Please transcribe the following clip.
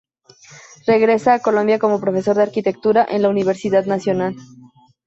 Regresa a Colombia como profesor de Arquitectura en la Universidad Nacional.